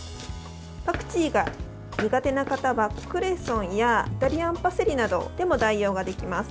パクチーが苦手な方はクレソンやイタリアンパセリなどでも代用ができます。